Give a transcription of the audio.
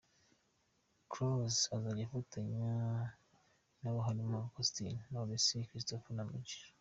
Close azajya afatanya nabo harimo Uncle Austin, Knowless, Christopher, Ama G.